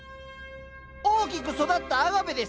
大きく育ったアガベです。